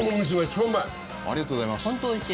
ありがとうございます。